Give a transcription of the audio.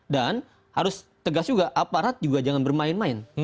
dan harus tegas juga aparat juga jangan bermain main